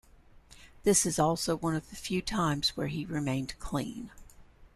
This is also one of the few times where he remains clean.